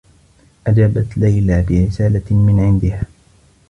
أجابت ليلى برسالة من عندها.